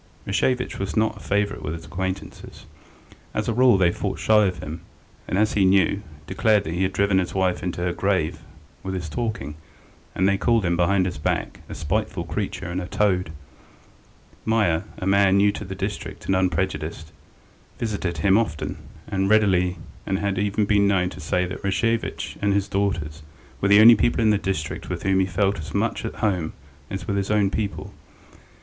Rashevitch was not a favourite with his acquaintances; as a rule they fought shy of him, and, as he knew, declared that he had driven his wife into her grave with his talking, and they called him, behind his back, a spiteful creature and a toad. Meier, a man new to the district and unprejudiced, visited him often and readily and had even been known to say that Rashevitch and his daughters were the only people in the district with whom he felt as much at home as with his own people.